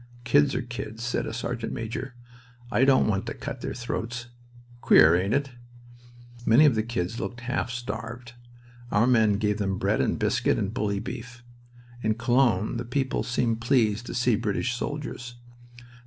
"Kids are kids," said a sergeant major. "I don't want to cut their throats! Queer, ain't it?" Many of the "kids" looked half starved. Our men gave them bread and biscuit and bully beef. In Cologne the people seemed pleased to see British soldiers.